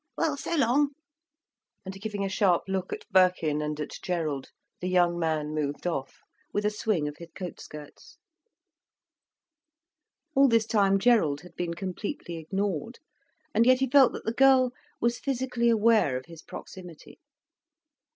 "Well, so long." And giving a sharp look at Birkin and at Gerald, the young man moved off, with a swing of his coat skirts. All this time Gerald had been completely ignored. And yet he felt that the girl was physically aware of his proximity.